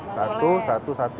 satu satu satu